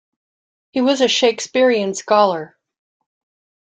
He was a Shakespearian scholar.